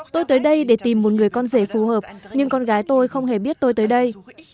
tôi tới đây để tìm một người con rể phù hợp nhưng con gái tôi không hề biết tôi tới đây